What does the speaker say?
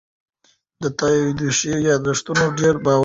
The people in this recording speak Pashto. د تادیوش یادښتونه ډېر باوري دي.